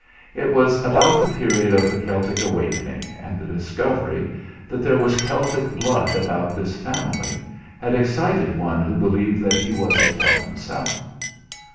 It was about the period of the Celtic awakening, and the discovery that there was Celtic blood about this family had excited one who believed that he was a Celt himself.